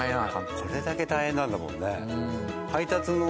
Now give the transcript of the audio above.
これだけ大変なんだもんね。